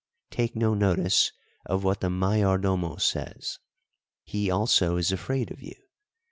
Take no notice of what the Mayordomo says, he also is afraid of you.